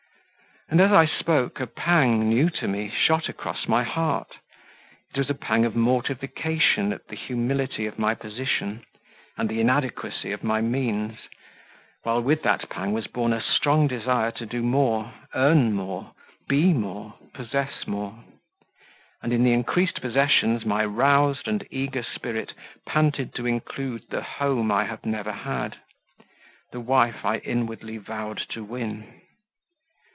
And, as I spoke, a pang, new to me, shot across my heart: it was a pang of mortification at the humility of my position, and the inadequacy of my means; while with that pang was born a strong desire to do more, earn more, be more, possess more; and in the increased possessions, my roused and eager spirit panted to include the home I had never had, the wife I inwardly vowed to win.